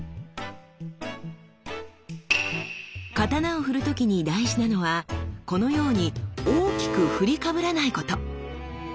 刀を振る時に大事なのはこのように大きく振りかぶらないこと。